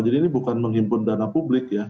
jadi ini bukan menghimpun dana publik ya